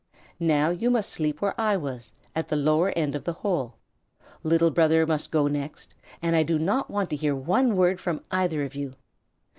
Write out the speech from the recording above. Now you must sleep where I was, at the lower end of the hole. Little Brother must go next, and I do not want to hear one word from either of you.